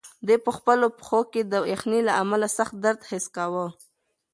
ده په خپلو پښو کې د یخنۍ له امله سخت درد حس کاوه.